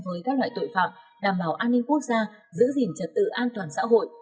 với các loại tội phạm đảm bảo an ninh quốc gia giữ gìn trật tự an toàn xã hội